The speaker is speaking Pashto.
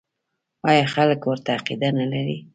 آیا خلک ورته عقیده نلري؟